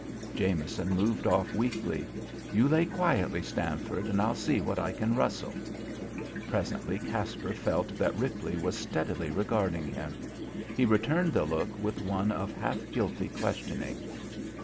Jameson moved off weakly. "You lay quietly, Stanford, and I'll see what I can rustle." Presently Caspar felt that Ripley was steadily regarding him. He returned the look with one of half guilty questioning.